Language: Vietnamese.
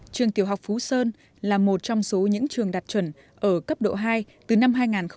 trường tiểu học phú sơn là một trong số những trường đạt chuẩn ở cấp độ hai từ năm hai nghìn một mươi